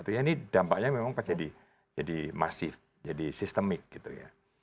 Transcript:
ini dampaknya memang jadi masif jadi sistemik gitu ya